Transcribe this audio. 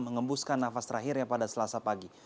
mengembuskan nafas terakhirnya pada selasa pagi